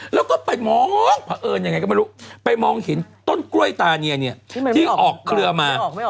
แล้วก็ไปมองเผอิญยังไงก็ไม่รู้ไปมองเห็นต้นกล้วยตาเนียเนี่ยที่ออกเครือมา